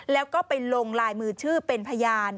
แล้วก็ไปลงลายมือชื่อเป็นพยาน